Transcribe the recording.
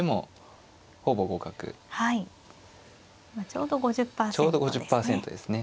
ちょうど５０％ですね。